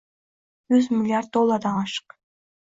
yuz milliard dollardan oshiq